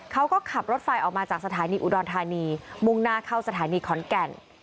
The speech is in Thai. เขาก็ขับรถไฟออกมาจากสถานีอุดรธานีมุ่งหน้าเข้าสถานีขอนแก่น